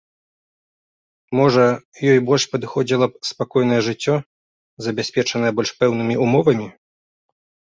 Можа, ёй больш падыходзіла б спакойнае жыццё, забяспечанае больш пэўнымі ўмовамі?